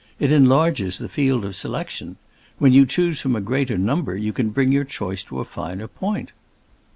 It enlarges the field of selection. When you choose from a greater number, you can bring your choice to a finer point!"